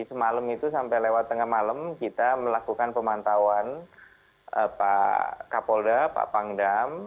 semalam itu sampai lewat tengah malam kita melakukan pemantauan pak kapolda pak pangdam